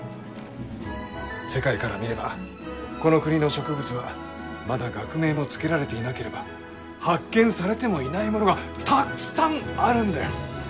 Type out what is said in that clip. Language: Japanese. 世界から見ればこの国の植物はまだ学名も付けられていなければ発見されてもいないものがたっくさんあるんだよ！